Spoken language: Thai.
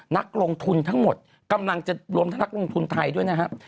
นักลงทุนทั้งหมดกำลังจะรวมทั้งนักลงทุนไทยด้วยนะครับ